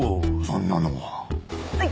そんなのは。